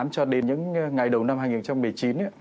cho đến những ngày đầu năm hai nghìn một mươi chín